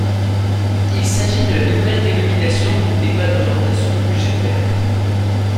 Il s'agit de la nouvelle dénomination du débat d'orientation budgétaire.